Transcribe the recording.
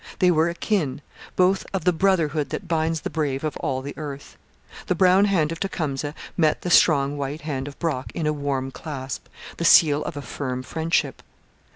They were akin both of the 'brotherhood that binds the brave of all the earth.' The brown hand of Tecumseh met the strong white hand of Brock in a warm clasp, the seal of a firm friendship.